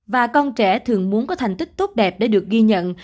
và con trẻ thường muốn có thành tích tốt đẹp để được ghi nhận